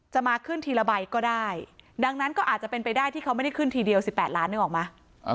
มาขึ้นทีละใบก็ได้ดังนั้นก็อาจจะเป็นไปได้ที่เขาไม่ได้ขึ้นทีเดียว๑๘ล้านนึกออกไหม